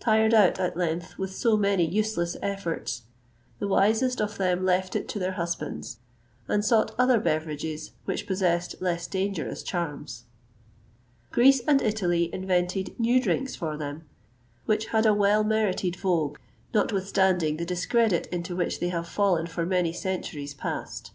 Tired out, at length, with so many useless efforts, the wisest of them left it to their husbands, and sought other beverages which possessed less dangerous charms. Greece and Italy invented new drinks for them, which had a well merited vogue, notwithstanding the discredit into which they have fallen for many centuries past.